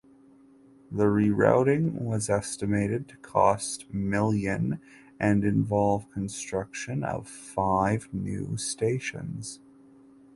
The rerouting was estimated to cost million and involve construction of five new stations.